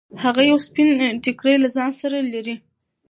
هغه یو سپین ټیکری له ځان سره لري.